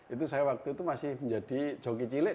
itu saya waktu itu masih menjadi joki cilik